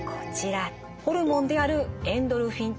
ホルモンであるエンドルフィンとオキシトシン。